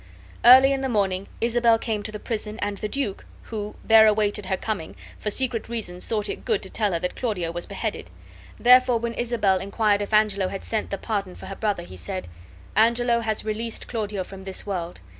Early in the morning Isabel came to the prison, and the duke, who there awaited her coming, for secret reasons thought it good to tell her that Claudio was beheaded; therefore when Isabel inquired if Angelo had sent the pardon for her brother, he said: "Angelo has released Claudio from this world.